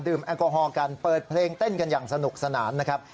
แอลกอฮอลกันเปิดเพลงเต้นกันอย่างสนุกสนานนะครับ